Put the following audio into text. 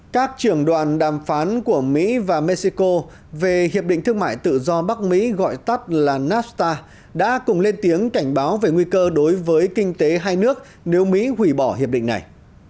các trưởng đoàn đàm phán của mỹ và mexico về hiệp định thương mại tự do bắc mỹ gọi tắt là nafta đã cùng lên tiếng cảnh báo về nguy cơ đối với kinh tế hai nước nếu mỹ hủy bỏ hiệp định này